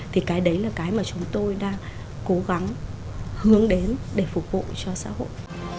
thì cái đấy là cái mà chúng tôi đang cố gắng hướng đến để phục vụ cho xã hội